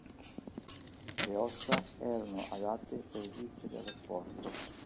Le ossa erano adatte per resistere allo sforzo.